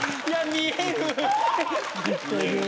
見えるね。